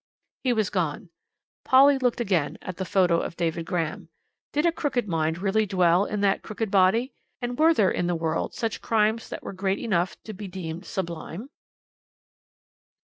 He was gone. Polly looked again at the photo of David Graham. Did a crooked mind really dwell in that crooked body, and were there in the world such crimes that were great enough to be deemed sublime?